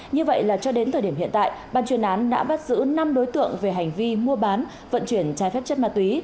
như vậy là cho đến thời điểm hiện tại ban chuyên án đã bắt giữ năm đối tượng về hành vi mua bán vận chuyển trái phép chất ma túy